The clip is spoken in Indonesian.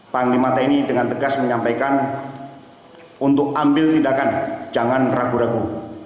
panglima tni dengan tegas menyampaikan untuk ambil tindakan jangan ragu ragu